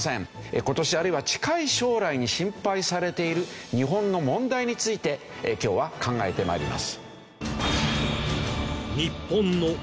今年あるいは近い将来に心配されている日本の問題について今日は考えてまいります。